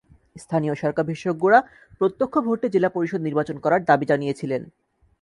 স্থানীয় সরকার বিশেষজ্ঞরা প্রত্যক্ষ ভোটে জেলা পরিষদ নির্বাচন করার দাবি জানিয়েছিলেন।